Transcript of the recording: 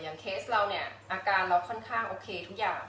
เคสเราเนี่ยอาการเราค่อนข้างโอเคทุกอย่าง